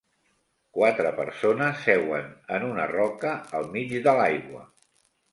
Quatre persones seuen en una roca al mig de l'aigua.